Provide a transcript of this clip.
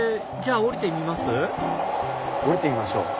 降りてみましょう。